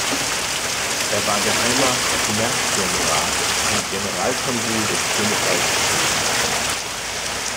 Er war Geheimer Kommerzienrat und Generalkonsul des Königreichs Schweden.